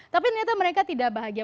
tapi ternyata mereka tidak bahagia